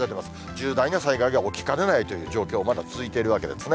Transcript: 重大な災害が起きかねないという状況、まだ続いているわけですね。